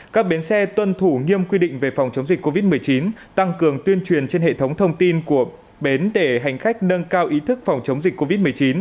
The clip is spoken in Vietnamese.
các bến xe tuân thủ nghiêm quy định về phòng chống dịch covid một mươi chín tăng cường tuyên truyền trên hệ thống thông tin của bến để hành khách nâng cao ý thức phòng chống dịch covid một mươi chín